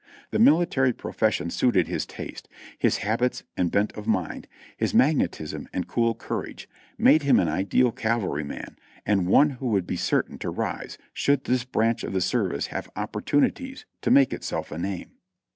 The military profession suited his taste. His habits and bent of mind, his magnetism and cool courage made him an ideal cavalryman and one who would be certain to rise should this branch of the service have opportunities to make itself a name.